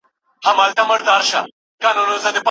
سفیران د هیوادونو ترمنځ د دوستۍ پلونه دي.